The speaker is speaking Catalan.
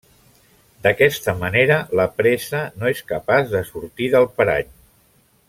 D'aquesta manera, la presa no és capaç de sortir del parany.